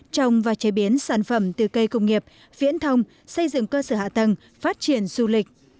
trồng và chế biến sản phẩm từ cây công nghiệp viễn thông xây dựng cơ sở hạ tầng phát triển du lịch